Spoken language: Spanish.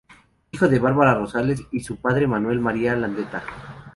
Hijo de Bárbara Rosales y su padre Manuel María Landaeta.